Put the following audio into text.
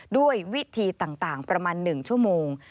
ด้วยวิธีต่างประมาณ๑ชั่วโมง